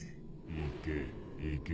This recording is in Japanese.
行け行け。